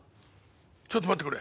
ちょっと待ってくれ。